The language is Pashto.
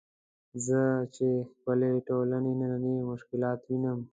زه چې د خپلې ټولنې نني مشکلات وینم.